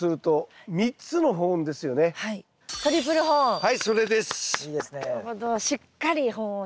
はいそれです。